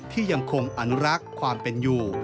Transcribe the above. ที่ยังคงอนุรักษ์ความเป็นอยู่